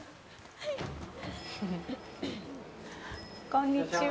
こんにちは。